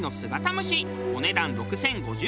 お値段６０５０円。